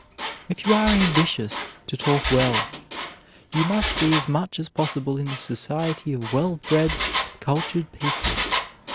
If you are ambitious to talk well, you must be as much as possible in the society of well bred, cultured people.